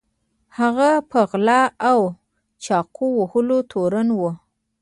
هغه په غلا او چاقو وهلو تورن و.